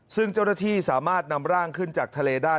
ซึ่งเจ้าหน้าที่สามารถนำร่างขึ้นจากทะเลได้